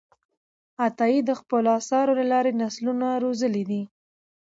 عطایي د خپلو آثارو له لارې نسلونه روزلي دي.